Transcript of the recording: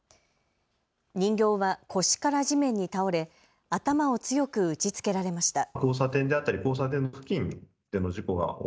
人形は腰から地面に倒れ頭を強く打ちつけられました。